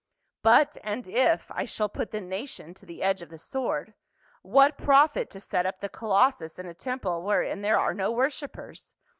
" But and if I shall put the nation to the edge of the sword, what profit to set up the colossus in a temple wherein there are no worshipers